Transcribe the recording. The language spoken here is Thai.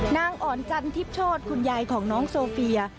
นางอ่อนจันทิพโชธคุณยายของน้องโซเฟีย